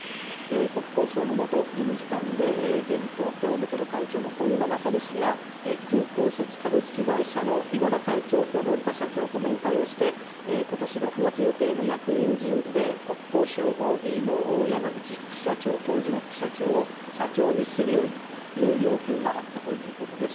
国交省の元事務次官で現東京メトロ会長の本田勝氏が、空港施設株式会社の稲田会長と乗田社長と面会をして今年６月予定の役員人事で国交省ＯＢの当時の山口副社長を社長にするようにという要求があったようです。